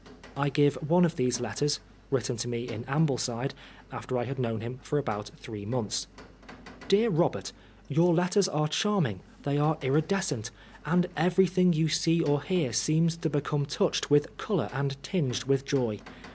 I give one of these letters, written to me in Ambleside, after I had known him for about three months. 82 Oscar Wilde " DEAR ROBERT, Your letters are charm ing, they are iridescent, and everything you see or hear seems to become touched with colour and tinged with joy.